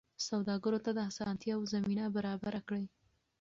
سوداګرو ته د اسانتیاوو زمینه برابره کړئ.